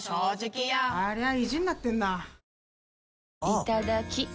いただきっ！